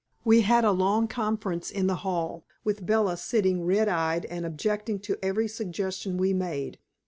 We had a long conference in the hall, with Bella sitting red eyed and objecting to every suggestion we made.